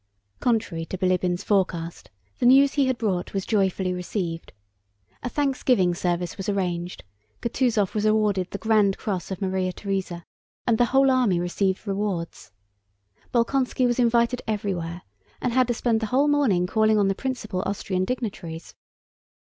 Contrary to Bilíbin's forecast the news he had brought was joyfully received. A thanksgiving service was arranged, Kutúzov was awarded the Grand Cross of Maria Theresa, and the whole army received rewards. Bolkónski was invited everywhere, and had to spend the whole morning calling on the principal Austrian dignitaries.